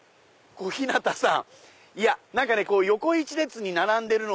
小日向さん。